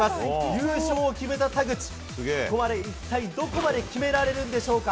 優勝を決めた田口、ここまで、一体どこまで決められるんでしょうか。